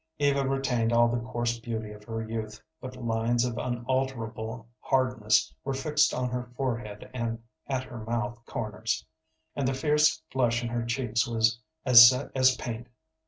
Eva retained all the coarse beauty of her youth, but lines of unalterable hardness were fixed on her forehead and at her mouth corners, and the fierce flush in her cheeks was as set as paint.